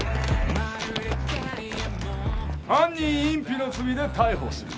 犯人隠避の罪で逮捕する。